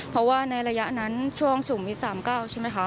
เพราะว่าในระยะนั้นช่วงสุ่มวีสามเก้าใช่ไหมคะ